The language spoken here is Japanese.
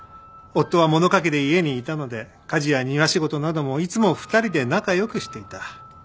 夫は物書きで家にいたので家事や庭仕事などもいつも２人で仲良くしていた。